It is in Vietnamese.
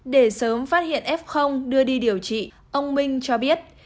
để sớm phát hiện f đưa đi điều trị ông minh cho biết